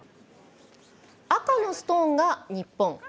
赤のストーンが日本。